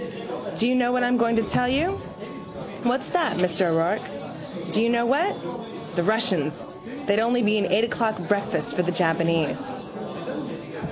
Do you know what I'm going to tell you? What's that, Mr O'Rourke? Do you know what? The Russians, they'd only be an eight o'clock breakfast for the Japanese.